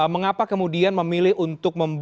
mengapa kemudian memilih untuk